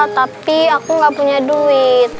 tapi aku gak punya duit